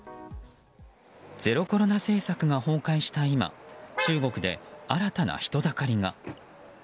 ゼロコロナ政策が崩壊した今中国で新たな人だかりが。